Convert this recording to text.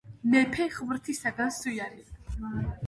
ორ საათში გერმანული დივიზია „ადოლფ ჰიტლერი“ შეიჭრა ქალაქში.